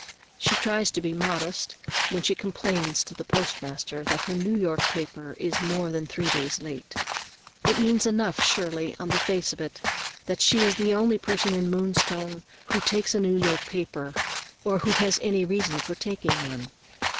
She tries to be modest when she complains to the postmaster that her New York paper is more than three days late. It means enough, surely, on the face of it, that she is the only person in Moonstone who takes a New York paper or who has any reason for taking one.